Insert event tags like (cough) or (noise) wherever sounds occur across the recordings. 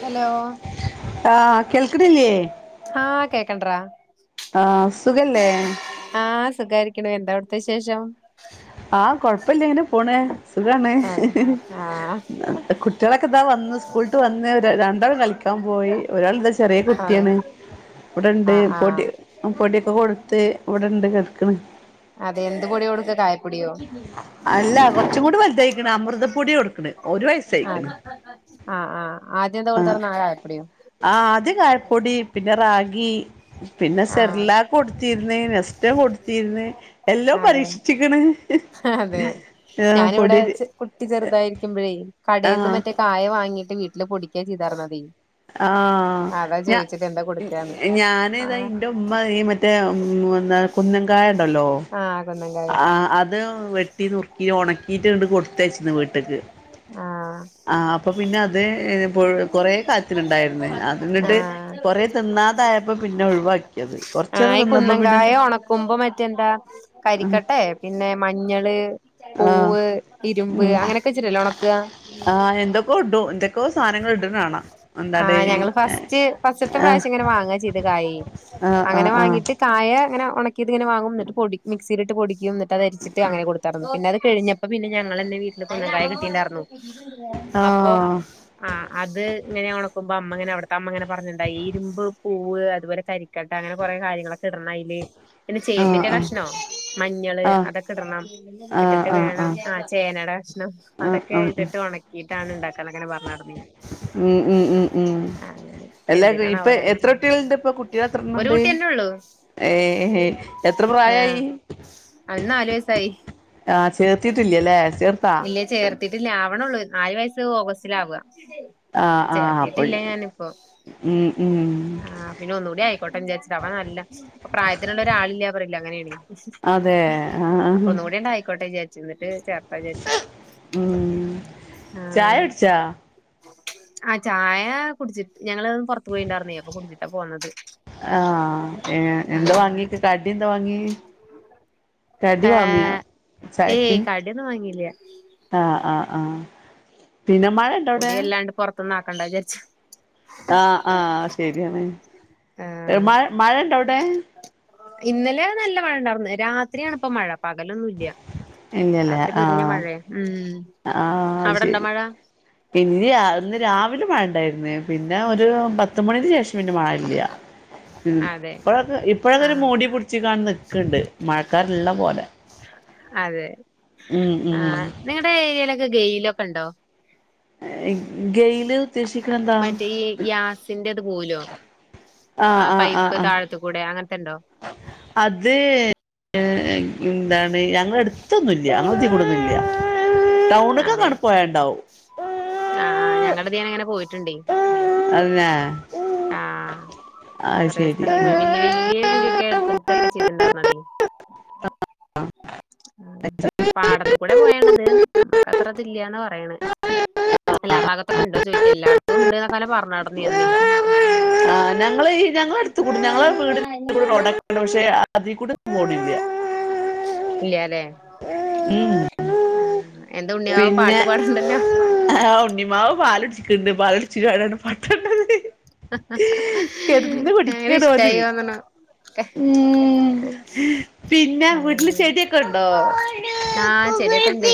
Hello കേൾക്കണ് ല്ലേ ആഹ കേക്കണ്ടറാ ആഹ് സുഖല്ലേ ആഹ സുഖാരിക്കണ എന്താവി ന്താ ശേഷം ആഹ കൊഴപ്പില്ല എങ്ങനെ പോണ സുഖാണ് അതെ ആഹ് കുട്ടികളൊക്കെ ഇതാ വന്ന് സ്കൂളിട്ട് വന്ന് രണ്ടാൾ കളിക്കാൻ പോയി ഒരാൾ ഇതാ ചെറിയ കു ആ ഇവിടെണ്ട് പൊടി പൊടിയൊക്കെ കൊടുത്ത് ഇവിടെണ്ട് കിടക്കണ് അതെ എന്ത് പൊടിയോ കൊടുത്തെ കായപ്പൊടിയോ അമൃതൊടി കൊടുക്കണെ ആഹ ആഹ ആ് ആഹ ആ ആദ്യ ക പൊടി പിന്നെ റാഗി പിന്നെ ആഹ് സെർലക്ക് കൊടുത്തിരുന്ന ഇഷ്ട കൊടുത്തിരുന്ന് എല്ലാം അതെ പരീക്ഷിച്ചിക്കണ് അതെ ആ ഞാനിവിടെ പൊടി കുട്ടി ചെറുതായിരിക്കുമ്പഴേ ആ കടയിൽ നിന്ന് മറ്റേ കായ വാങ്ങിട്ട് വീട്ടില് പൊഡിക്യ ചെയ്താരന്നതി ആഹ ഞാ കൊടുക്കാന്ന് ഞാന് ഇതാ ആഹ് ഇറെ ഉമ്മ ഈ മറ്റേ ഉ എന്താ കുന്നൻകായ ണ്ടല്ലോ ആഹ് കുന്നംകായ ആ അത് വെട്ടി നുറുക്കി ഉണക്കിട്ട് ഇണ്ട് കൊടുത്തച്ചിന്ന് വീട്ടക്ക് ആഹ് ആ അപ്പൊ പിന്നെ അത് കൊറേ കാലത്തിനുണ്ടായിരുന്നു അത് ന്നട്ട് കൊറെ തന്ന ആ കൊറച്ചേരം തിന്നപ്പോ പിന്നെ കുന്നങ്കായോ ഉണക്കുമ്പോ മറ്റെന്താ കരിക്കട്ടെ പിന്നെ മഞ്ഞള് ആഹ് പൂവ് ഇരുമ്പ് ഉം അങ്ങനെയൊക്കെ ഇച്ചിട്ടല്ലോ ഉണക്കുക ആഹ് എന്തൊക്കോ ഇടും എന്തൊക്കോ സാധനങ്ങൾ ഇട്ണ കാണാ ആഹ എന്താടെ ഞങ്ങള് ഫസ്റ്റ് ഫസ്റ്റത്തെ ആഹ് പ്രാവശ്യം ഇങ്ങനെ വാങ്ങ ചെയ്ത് കായ ആഹ് അങ്ങന അങ്ങനെ ആഹ് വാങ്ങീട്ട് കായങ്ങനെ ഉണക്കി ഇങ്ങെ വാും എന്നിട്ട പടി മിക്സിയിലട്ട് പൊടും എന്നി് അത്രിച്ചി് അങ്ങനെ കൊടുായിരുന്നു പിന്നെ അത് കഴിഞ്ഞ അപ്പൊ പിന്നെ ഞങ്ങ ന്നേ വീട്ടില് കൊന്നണ്ടായ കിട്ടിണ്ടായിന്ന ആഹ് അപ്പൊ ആ അത് ഇങ്ങനെ ഉണക്ക്പ അമ്മങ്ങനെ അവിടു അമ്മങ്ങന പറഞ്ഞട്ടുണ്ട ഈ ഇരുമ്പ് പൂവ് അതുപല കരിക്കട്ട അങ്ങനെ കുറേ കാര്യങ്ങളൊക്കെ ല് പിന്നെ ആഹ് ആഹ് ചേമ്പിൻന്റെ ക മഞ്ഞള് ആഹ് അതൊക്കെ ഇടണം ആഹ് ഇട്ടിട്ട് ആഹ് ആഹ് വേണം ആഹ് ആ ചേനയുടെ കഷ്ണം ആഹ് അതൊക്കെയി ഇട്ട് ഉണക്കിയിട്ടാണ് ഉണ്ടാക്കാ അങ്ങനെ പറ--ഞ്ടന്നി ഉം ഉം ഉം ഉം എല്ലാ എന്തിനാണാവോ ഇപ്പൊ ഓല് എത്ര കുട്ടികളുണ്ട് ഇപ്പ കുട്ടികൾ എത്രണ്ണംണ്ട് ത്രള്ളൂ ഏ എത്ര പ്രായായി അവന് നാല് വയസ്സായി ആ ചേർത്തി ട്ടില്ലല്ലേ ചേർത്താ ത്തിട്ടില്ല ആവണള്ളൂ നാല് വയസ്സ് ഓഗസ്റ്റിലാവ ആഹ് ആഹ് അപ്പൊ ചേർത്തിട്ടില്ല ഞാനിപ്പോ ഉം ഉം ആഹ് പിന്നെ ഒന്നുകൂടി ആയിക്കോട്ടെ വിചാരിച്ചിട്ട് അവ നല്ല പ്രായത്തിനുള്ള ഒരാളില്ല പറയില്ല അങ്ങനെണ് അതെ അപ്പൊ ആഹ് ഒന്ന കൂടി ഉണ്ട ആായിക്കോട്ടെ വിചാർച്ച് ങ്ങട്ട് ചേർ ഉം ചായ ആഹ് ടിച്ചോ ആ ചായ കുടിച്ചിട്ട് ഞങ്ങള് പുറത്ത് പോയിണ്ടായിരുന്നേ അപ്പൊ കുടിച്ചിട്ടാ പോന്നത് ആഹ് ഏ എന്താ ആഹ് വാങ്ങിക്ക കടി എന്താ വാങ്ങെ കടി വാങ്ങ്യ ചായക്ക് വാങ്ങില്ല ആആഹ് ആഹ് പിന്നെ മഴ ഇണ്ടോ അവിടെ ത്ത്ന്ന്ക്കണ്ടാ വിചാരിച്ച് ആആഹ് ശെരിയാണ് ആഹ് മഴ മഴ ഇണ്ട അവിടെ ഇന്നലെ നല്ല മഴ ഉണ്ടായിർന്ന് രാത്രിയണിപ്പ മഴ പകലൊന്നുല്ല രാത്രി പൊരിഞ്ഞ മഴയെ ഉം ആ അവിടെണ്ടോ ശരി മഴ പിന്നീ (unintelligible) (unintelligible) മാഴ ഉണ്ടായിരുന്നേ പിന്നെ ഒരു പത്തുമണിന് ശേഷം പിന്നെ മാഴല്ല ഉം അതെ ഇപ്പോഴക്കെ ഇപ്പോഴൊക്കെ ഒരു ആഹ് മൂടി പിടിച്ച് ക്ക്ണ്ട് മഴക്കാരള്ള പോലെ അതെ ഉം ആ ഉം നിങ്ങളുടെ ഏരിയയിലൊക്കെ ഗെയിലൊക്കെ ണ്ടോ ഗെയില് ഉദ്ദേശിക്കണ എന്താ മറ്റേ ഈ ഗ്യാസിന്റെത് പോവലോ ആ ആഹ് ആഹ് ആഹ് പൈപ്പ് ആഹ് താഴ് ത്ത് കൂടെ അങ്ങനത്തെണ്ടോ അത് ഏ ന്താ ണ്ഞങ്ങളെ എടുത്തൊന്നുല്ല ഞങ്ങ തിലൂടെ ന്നും ല്ല ടൗണ്ക്കെക്കാണ്ട് പോയാ ണ്ടാവും ആ ആഞങ്ങള തിന ങ്ങനെ പോയിട്ടുണ്ടേ അതന്നെ ആ അത് കൊറെേ സ്ഥലങ്ങ പോയി വല്യ ശരി വല്യ കുഴിയൊക്കെ എടുത്തിടുത്തൊക്കെ ചെയ്തിണ്ടായിരുന്നതേ ആ പാടത്ത് കൂടെ പോയണത് നമ്മക്ക് അത്ര ഇതി ഇല്ലാന്നാ പറയ്ണ് അല്ലാ ആ ഭാഗത്തൊക്കെ ഇണ്ടോ ചോദിക്ക എല്ലായിടത്തും ഉണ്ട് എന്നൊക്കൊപറഞ്ഞാ ട്ന്നീ അന്ന് ആ ഞങ്ങൾ ഈ ഞങ്ങള അടുത്ത് കൂ ഞങ്ങളെ വീടി കൂ റോഡക്കണ്ട് പക്ഷെ അതിൽ കൂടിന്നും പോണില്ല ഇല്ല ല്ലേ ഉം ആ എന്താ ഉണ്ണിയാവ പാട്ടു പാട്ണ്ട ല്ലേ ആഉണ്ണിമാവ് പാലൊടിച്ചിക്കണ്ട് പാല് ടിച്ച് കാണ്ട് പാട്ടാടാണ് ഇഷ്ടായി തോന്ന്ണ് ഉ പിന്നെ വീട്ടില് ചെടിയൊക്കെ ഉണ്ടോ ആഹ് ചെടിക്കെ ഉണ്ട്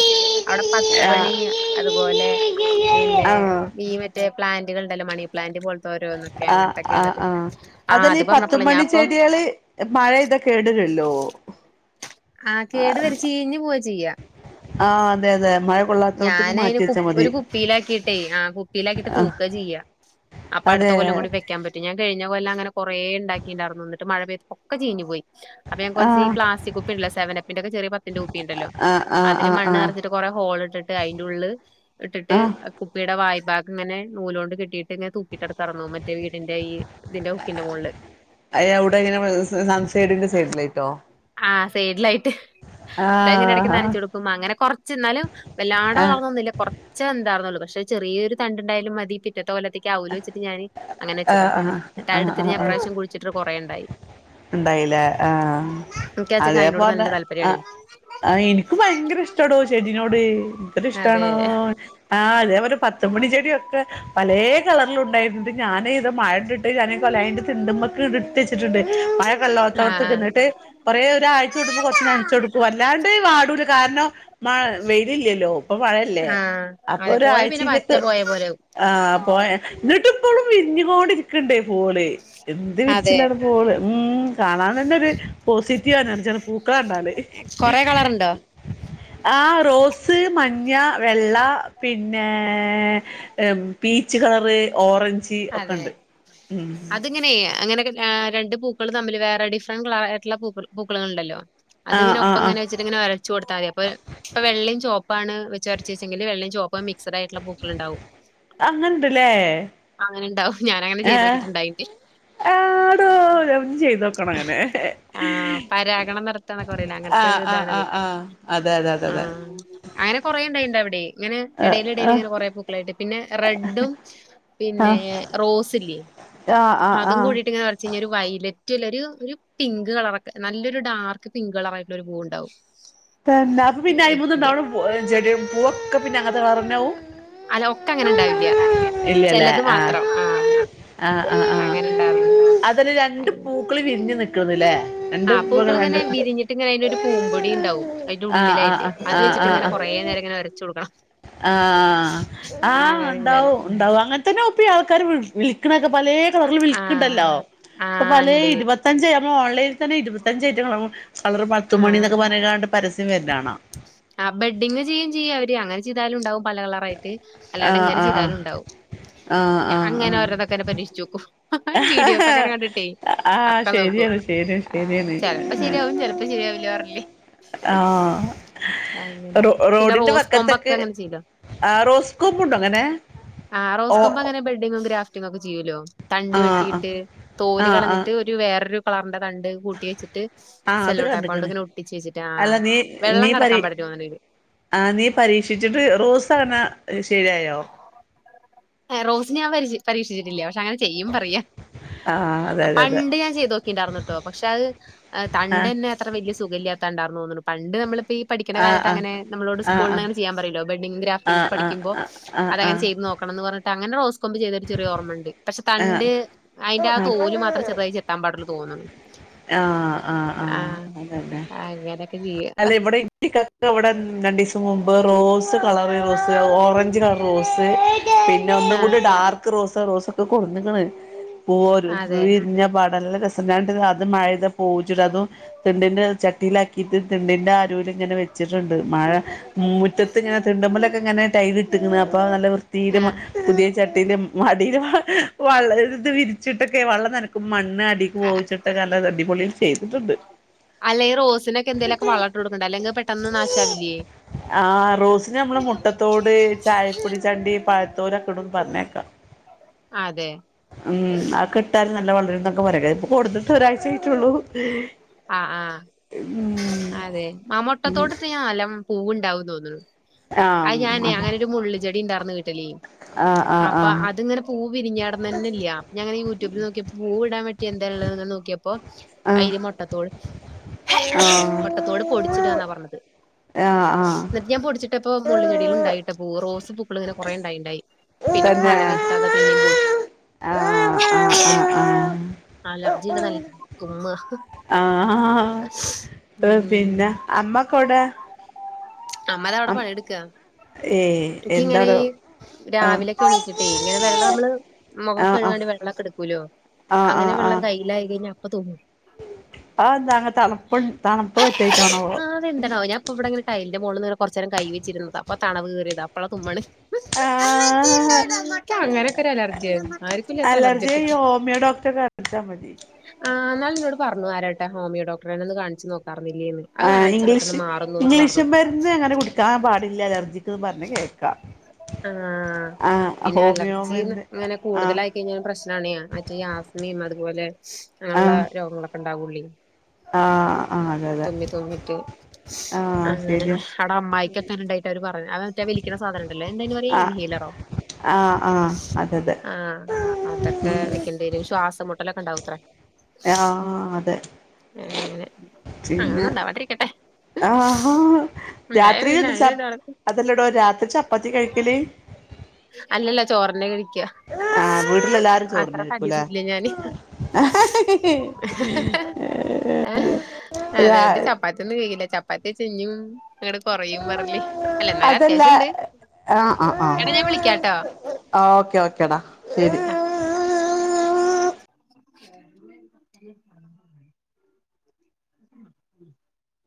അവിടെ പത്ത് മണി അതുപോലെ പിന്നെ ആ ഈ മ റ്റേപ്ലാന്റുകൾണ്ടല്ലോമണി പ്ലാന്റ് പോ ആ ആ ആ ആഹ് അതല്ല അത് ഈ പറഞ്ഞപ്പോള ഞാൻ ഇപ്പൊ പത്തുമണിച്ചെടികള്മഴ പെയ്താ കേടരൂ ലോ ആ കേടു വരും ചീഞ്ഞ് പോവാ ചെയ്യാ ആഹ് അതെ മഴ കൊള്ളാത്തോടത്തേക്ക് ഞാന് അയിന് മാറ്റി വെച്ചാ കുപ്പ മതി ഒരു കുപ്പിയിലാക്കിട്ടേ ആ കുപ്പിയില ആക്കിട്ട് ആഹ് തൂക്കാ ചെയ്യാ അപ്പൊ അടു അതെ ത്തകൊല്ലം കൂടി വെക്കാൻ പറ്റും ഞാൻ കഴിഞ്ഞ കൊല്ലം അങ്ങനെ കൊറെ ണ്ടാക്കിയിണ്ടായിരുന്നുന്നിട്ട് മഴ പെയ്ത്ക്കെ ചീഞ്ഞ് പോയി അപ്പൊ ഞാ കുറച്ച് ഈ ആഹ് പ്ലാസ്റ്റിക് കുപ്പി ണ്ടല്ലോ സെവനപ്പിന്റെക്കെ ചെറിയ പത്തിന്റെ കുപ്പി ണ്ടല്ലോ ആഹ് ആഹ് അതില് ആഹ് മണ് ആഹ് നിറച്ച് ട്ട് കൊറെ ഹോൾ ഇട്ടിട്ട് അതിന്റെ ഉള്ളള് ഇട്ടിട്ട് ആഹ് കുപ്പിയുടെ വായ്ഭാഗംഇങ്ങനെ നൂലോണ്ട് കെട്ടിയിട്ട് ങ്ങനെ തൂക്കിട്ടടുക്കാറന്നു മറ്റേ വീടിന്റെ ഈ ഇതിന്റെ ഹൊക്കിന്റെ മോളില് സസൈഡന്റെ സൈഡിലേട്ടോ ആ സൈഡിലായിട്ട് എങ്ങനെ ഇടയ്ക്ക് നനച്ചു കൊടുക്കും അങ്ങനെ കുറ എന്നാലും വല്ലാട ആഹ് വളർന്നൊന്നുമില്ല കുറച്ചേ എന്തായിന്നള്ളൂ പക്ഷെ ചെറിയൊരു തണ്ടുണ്ടായാലും മതി പിറ്റ ഇലത്തേക്ക് അവലോജിച്ചിട്ട് ഞാന് അങ്ങനെച്ചതാ ആഹ് ആഹ് മ അടു ആഹ് തിരിഞ്ഞ ആഹ് ആഹ് അപാവശ്യം കുടിച്ചിട്ട് കുറേുണ്ടായി ഉണ്ടായില്ലേ ആഹ എനിക്കാച്ചങ്ങ അയിനോട് അതേപഞ്ഞ നല്ല ആ താല്പര്യാണേ ആ എനിക്ക് ഭയങ്കര ഇഷ്ടടോ ചെടിനോട് എന്തൊ അതെ ഇഷ്ടണോ ആ അതേപോലെ പത്തുമണി ചെടൊക്കെ പല കളറില ഉണ്ടായിണ്ട് ഞാനൻ ഇതത് മഴണ്ട ഇട്ട് (inaudible) (inaudible) വച്ചിട്ടുണ്ട് മഴ കല്ലോടത്തോടത്ത് ആഹ് കന്നിട്ട് കൊറെേ ഒരാഴ്ച കൊടുമ്പോ കൊറച്ച നനച്ച കൊടുക്കും അല്ലാണ്ട് വാടൂല കാരണം മഴ വെയിലല്ലല്ലോ ഇപ്പൊ മഴയല്ലേ ആഹ് അപ്പൊ അതെ പോയ പിന്നെ പറ്റ ഒരാഴ്ചയിലൊക്ക് പോയ പോലെവും ആഹ് പോ ഇന്നട്ട ന വിരിഞ്ഞുകൊണ്ടിരിക്കണ്ടേ പോള് എന്ത് അതെ വിരിച്ചിലാണ് പോള് ഉ കാണാൻ തന്നെ ഒരു പോസിറ്റീവ് എനർജിയാണ് പൂക്കൾ കണ്ടാല്. കൊറെ കളറുണ്ടോ ആ റോസ് മ കുഞ്ഞ വെള്ള, പിന്നെ, പീച്ച് ഹ് കളർ ഓറഞ്ച്. ഒക്കെ അതെ ഉണ്ട് ഉം അതിങ്ങനെ അങ്ങനെയൊക്കെ ആ രണ്ട് പൂക്കൾ തമ്മില് വേറെ ഡിഫറന്റ് കളർ ആയിട്ടുള്ള പൂക്കൾ പൂക്കളൾ ഇണ്ടല്ലോ? ആഹ് ആഹ് അത്ങ്ങനെപ്പം ഇങ്ങനെ ആഹ് വെച്ചിട്ട് ഇങ്ങനെ ഒരച്ചു കൊടുാൽ മതി അപ്പോ ഇപ്പൊ വെള്ളീം ചോപ്പാണ് വെച്ച് ഒരച്ച വെച്ചെങ്കില് വെള്ളിയം ചോപ്പ ഇപ്പോ മിക്സ്ഡ് ആയിട്ടുള്ളൂക്കൾ ഉണ്ടാവും. അങ്ങനെഇണ്ട്ലെ? അങ്ങനെ ഉണ്ടാവും ഞാനങ്ങനെ ചെയ്തു നോക്കീ ട്ടിണ്ടായിനിം. ആടോ ഞാനൊന്ന് ചെയ്തോക്കണം അങ്ങനെ ആ പരാഗണം നടത്തന്നൊക്കെ പറയൂലെ അങ്ങനത്തെ ആഹ് ഒരു ആഹ് ഇതാണ് അത് ആഹ് ആഹ് അതെ അതെ അതെ ആ അതെ അങ്ങനെ കൊറേ ഇണ്ടായിണ്ട് ഇ വിടെ ഇങ്ങനെ ആഹ് ഇടല് ഇടല് ഇങ്ങനെ കൊറെ പൂക്കളായിട്ട്. പിന്നെ റെഡും ആഹ് പിന്നെ റോസില്ലേ? ആഹ് ആഹ് അതും ആഹ് കൂടിയിട്ട് ഇങ്ങനെ ഒരച്ച് ഞ്ഞാ ഒരു വൈ ലെറ്റ്‌ല്ലൊരു ഒരു പിങ്ക് കളർ ഒക്കെ നല്ലൊരു ഡാർക്ക് പിങ്ക് കളർ ആയിട്ടുള്ള ഒരു പൂവ് ഇണ്ടാവും. തെന്നെ അപ്പോ പിന്നെ അയിമന്ന് ചെടി പൂവൊക്കെ പിന്നെ അങ്ങത്തെ കളറേന്നെ ആവും. അല്ല ഒക്കെ അങ്ങനെ ഇണ്ടാവില്ല്യ. ഇല്ലല്ലേ ആ ആ ആ് ആ അങ്ങനെ ഇണ്ടാർന്ന് അതൊരു രണ്ട് പൂക്കൾ വിരിഞ്ഞു നിക്ക് (unintelligible) ല്ലേ ആ പൂക്കൾ ഇങ്ങനെ വിരിഞ്ഞിട്ട് ഇങ്ങനെ അയിന്റെ ഒരു പൂമ്പൊടി ഇ ണ്ടാവും. അതി്ന്റെ ആഹ് ആഹ് ഉള്ളിലായിട്ട് അത് ആഹ് വെച്ചിട്ട് ഇങ്ങനെ കുറേ നേരം ഇങ്ങനെ ഒരച്ച് കൊടുക്കണം. ആഹ ആ ആഹ അങ്ങനെ ചെയ്താല് ഉണ്ടാവും ഉണ്ടാവും അങ്ങനെത്തന്നെ പ്പി ആൾക്കാര് വിളിക്കണൊക്കെ പലേ (unintelligible) ആഹ് വിളിക്കണ്ടല്ലോ ഇപ്പൊ ആഹ് പലേ ഇണ്ട് ഇരുവത്തഞ്ച് ഓൺലൈനിൽ തന്നെ ഇരുപത്തഞ്ചായിറ്റം കള കളർ ആഹ് പത്തുമണിന്നൊക്കെ പറഞ്ഞാണ്ട് പരസ്യം വെർണാണ. ആ ബെഡിങ് ചെയ്യും ചെയ്യാ അവര് അങ്ങനെ ചെയ്താലും ഉണ്ടാവും. പല കളറായിട്ട് അല്ലാണ്ട് ആഹ് എങ്ങനെ ചീ ആഹ് യ്താലും ആഹ് ഉണ്ടാവും. ആഹ് ഞാൻ അങ്ങനെ ആഹ് ഓരോന്നൊക്കെ പരീക്ഷിച്ച് നോക്കും ആഹ് വീഡിയോസൊക്കെങ്ങനെ കണ്ടിട്ടേയ് ഒ ആഹ് ക്കെ നോക്കും. ശരിയാണ് ശരിയ ആ ശരിയാണ് ചെലപ്പോ ശരിയാവും ചെലപ്പോ ശരിയാവില്ല വർ ആ അങ്ങനെ ഹ് റോ പിന്നെ റോഡിന്റെ റോസ് കൊമ്പൊക്കെ ബക്കത്തൊക്കെ അങ്ങനെ ചെയ്യല്ലോ. ആ റോസ്കോമ്പ് ഉണ്ടോ അങ്ങനെ? ആ റോസ് ഓ കൊമ്പ് അങ്ങനെ ബെഡിങ്ങും ഗ്രാഫ് ന്നൊക്കെ ചെയ്യല്ലോ തണ്ട് ആഹ് ആഹ് വെട്ടിയിട്ട് തോല് ആഹ് ആഹ് കളഞ്ഞിട്ട് ഒരു വേറൊരു കളറിന്റെ തണ്ട് കൂട്ടി വെച്ചിട്ട് ആഹ് അത് സെല്ലോട്ടേപ്പോണ്ട് കണ്ട്ക്ക്ണ് ഇങ്ങനെ ഒട്ടിച്ച് വെച്ചിട്ട് ആ വെള്ളം കട ആ നീ പരീക്ഷിച്ചിട്ട് റോസണോ ശരിയായോ? ഏ റോസിനെ ഞാൻ പരീ പരീക്ഷിച്ചിട്ടില്ല പക്ഷെ അങ്ങനെ ചെയ്യും പറയാ ആഹ് അതെ അ അതെ അതെ പണ്ട് ഞാൻ ചെയ്ത് നോക്കിണ്ടായിരുന്നൂട്ടോ പക്ഷെ അത് അ ആഹ് തണ്ടെന്നേ അത്ര വല്ല്യ സുഖല്യ ണ്ടണ്ടാർന്ന് തോന്ന്ണ് പണ്ട് നമ്മള്. യിപ്പി ഈ പഠിക്കുന്ന കാലത്ത് ആഹ് അങ്ങെനെ നമ്മളോട് ആഹ് സ്കൂൾന്നങ്ങനെ ചെയ്യൻ പറയാലോ ബെഡിംഗ് ഗ്രാഫറ്റിങ് ആഹ് ഒക്കെ ആഹ് പഠിക്കുമ്പോ ആഹ് അതങ്ങെ ആഹ് ചെയ്ത് നോക്കണം എന്ന് പറഞ്ഞിട്ട് അങ്ങനെ റോസ് ക്കൊന്ന് ചെയ്തൊരു ചെറിയ ഓർമുണ്ട് പക്ഷെ ആഹ് ആഹ് ആഹ് തണ്ട് അയിന്റെ ആ ആഹ് തോല് മാത്രം ചെർതായി ചെത്താൻ മാത്രേ തോന്ന്ണ്ട്. ആ ആ. ആ അതെ അതെ അങ്ങനെയൊക്കെ ചെയ്യ. അല്ല ഇവിടെ ഇി (unintelligible) ക്ക ഇവിടെ രണ്ട് ദിവസം മുമ്പ് റോസ് കളറ് സ്സ് ഓറഞ്ച് കളർ റോസ് പിന്നെ ഒന്നും ആഹ് കൂടി ഡാർക്ക് റോസ് റോസ് കുഞ്ഞുങ്ങൾ അതെ വി രിഞ്ഞ പാട് നല്ല രസം ഞാൻ ഇന്റെ ന്നാ അത് മഴേയ്ത് പൂ (unintelligible) അതും തിണ്ടിന്റെ ചട്ടിയിലാക്കിയിട്ട് തിണ്ടിന്റെ അരുവിൽ ഇങ്ങനെ വെച്ചിട്ടുണ്ട് മഴ മൂറ്റത്ത് ഇങ്ങനെ തിണ്ടമ്മലൊക്കെ ഇങ്ങനെ ടൈല് ഇട്ട്ക്ക്ണ് അപ്പോ അ നല്ല വൃതീല് ആഹ് പുതിയ ചട്ടി മടില് ഇത് വിരിച്ചിട്ടൊക്കെ വള്ളം നനക്കും മണ്ണ് അടിക്ക് പോിച്ചിട്ട (unintelligible) അടിപൊളിയിൽ ചെയ്തിട്ടുണ്ട്. അല്ല ഈ റോസിനൊക്കെ എന്തേലൊക്കെ വളം ഇട്ട് കൊടുക്കണ്ടേ അല്ലെങ്കി പെട്ടെന്ന് നാശാവില്ലേ? ആ റോസിന്ന് നമ്മള് മുട്ടത്തോട് ചായപ്പൊടി ചണ്ടി പയ തോലെക്ക്ടും പറഞ്ഞേക്ക അതെ മം അഒ ക്കെ ഇട്ടാൽ നല്ല വളര് (unintelligible) ഇപ്പോ കൊട്ന്നിട്ട് ഒരാഴ്ച്ച ആയിട്ടുള്ളൂ. ആ ആഹ അതെ മാമൂട്ടത്തോടത്ത് ഞാൻ അലം പൂവുണ്ടാവന്ന് തോന്നുന്നു ആഹ ആഹ് ഞാനേ അതെ അങ്ങനെരു മള്ള് ചെടിണ്ട ആഹ് ആഹ് അപ്പൊ ആഹ് അത്ങ്ങനെ പൂ പിരിഞ്ഞാടന്ന തന്നെ ഇല്ല അപ്പൊ ഞാൻ യു ട്യൂബിൽ നോക്കിയപ്പോ പൂവിടാൻ പറ്റി എന്താ ഉള്ള നോക്കിയപ്പോ അതി മുട്ടത്തോട് ആഹ പൊടിച്ചിട്ടാന്നാ പറഞ്ഞത് ആഹ് എന്നിട്ട് ഞാൻ പൊടിചിട്ടപ്പോൾ മുള്ള് ചെടിയിൽ ഉണ്ടായിട്ട പൂ റോസ് പൂക്കൾ ഇങ്ങെ കുറെേ ഉണ്ടായിണ്ടായി പിന്നെപ്പൊ തന്നെ മഴ പെയ്ട്ടാത പിന്നെയും പോയി ആഹ് ആഹ് ആഹ് ആ അലർജിയുടെ നല്ല തുമ്മ ആഹ് ഉം പിന്നെ അമ്മക്കൂടെ അമ്മ ത അവിടെ പണിയെടുക്ക ഏഹ് എ ഇങ്ങനെ എന്താവിടെ ഈ ആഹ് രാവിലെ ഒക്കെ എണീറ്റിട്ടേ ഇങ്ങനെ വെള്ളം നമ്മള് മുഖക്ക ആഹ് കഴുക്കാൻ ആഹ് വേണ്ടി വെള്ളം എടുക്കൂലോ ആഹ് അങ്ങനെ ആഹ് വെള്ളം ആഹ് കയ്യില ആയി കഴിഞ്ഞൽ അപ്പൊ തുമ്മും അതെന്താ തണുപ്പ് തണുപ്പ് പറ്റായിട്ടാണാവോ അതെന്താവും ഞാൻപ്പ ഇവിടെങ്ങനെ ടൈലിന്റെ മുകളിന്ന് കൊറച്ച നേരം കൈ വെച്ചിരുന്നത് അപ്പ തണവ് കയറിയത് അപ്പള തുമ്മണ് ആഹ് അങ്ങനെയൊക്കെ ഒരു അലർജിയ ആയിരുന്നു ആർക്കുംല്ലാത്ത അലർജിയ അലർജി ഒക്കെ ഹോമിയോ ഡോക്ടറെ കാണിച്ചാ മതി ആ എന്നാള എന്നോട് പറഞ്ഞു ആരട്ടെ ഹോമിയോ ഡോക്ടറെ എന്ന ഒന്ന് കാണിച്ച് നോക്കാം ആ ഇംഗ്ലീഷ് പറഞ്ഞു ഇംഗ്ലീഷന്മാരുന്ന് അങ്ങനെ കുടിക്കാൻ പാടില്ല അലർജിക്ക്ന്ന് പറഞ് കേ ക്ക ആഹ പിന്നെ അലർജിന്ന് മരുന്ന് അങ്ങനെ ആഹ് കൂടുതലായിയിക്കഴിഞ്ഞാ പ്രശ്നണ ആസ്മിയും അതുപോലെ അങ്ങനെയുള്ള രോഗങ്ങളൊക്കെ ഉണ്ടാവുള്ളി ആഹ തൊമി തൊമിട്ട് ആഹ് അങ്ങനെ ശരിയാ അവിടെ അമ്മായിക്കൊക്ക ഉണ്ടായിട്ട് അവര് പറഞ്ഞു അത വലിക്ക സാധനംണ്ടല്ലോ എന്തായ പറയാ ആഹ് ഇൻഹേലറോ ആഹ് ആഹ് അതെ അതെ ആഹ അതൊക്കെ വെക്കേണ്ടരും ശ്വാസംമട്ടലൊക്കെ ഉണ്ടാവും ആഹ അതെ അങ്ങനെ ഒന്നും ഉണ്ടാവാതിരിക്കട്ടെ ആഹ ആ രാത്രി അതല്ലടോ രാത്രി ചപ്പാത്തി കഴിക്കല അല്ലല്ല ചോറനെ കഴിക്കുക ആഹ വീട്ടിലെല്ലാരും ചോറിന്നഴരിക്കൂലേ തടിയൊന്നുല്ല ഞാന് ആ ഏ അതൊണ്ട് ചപ്പാത്തിയൊന്നും കഴില്ല ചപ്പാത്തി ചെഞ്ഞും ഇങ്ങടെ കൊറയും പറഞ്ഞില്ലേ അല്ല എന്നാലും അത്യാവശ്യണ്ട് ആഹ ആഹ് ആഹ ആ ഓക്കെ ഓക്കേടാ ശരി ആ ഉ